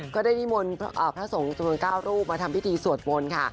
ก็ได้มนต์พระสมมุทร๙รูปมาทำพิธีสวดมนต์ค่ะ